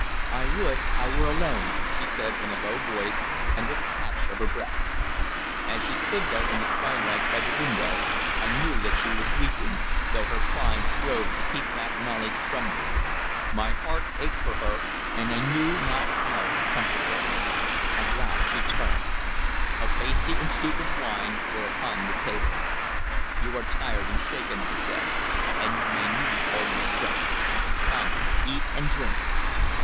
"I would I were alone," she said in a low voice and with a catch of her breath. As she stood there in the twilight by the window, I knew that she was weeping, though her pride strove to keep that knowledge from me. My heart ached for her, and I knew not how to comfort her. At last she turned. A pasty and stoup of wine were upon the table. "You are tired and shaken," I said, "and you may need all your strength. Come, eat and drink."